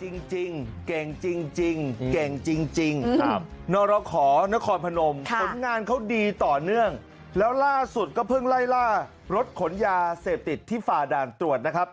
จริงเก่งจริงเก่งจริงนรขอนครพนมผลงานเขาดีต่อเนื่องแล้วล่าสุดก็เพิ่งไล่ล่ารถขนยาเสพติดที่ฝ่าด่านตรวจนะครับ